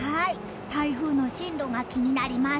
台風の進路が気になります。